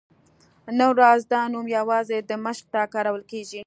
نن ورځ دا نوم یوازې دمشق ته کارول کېږي.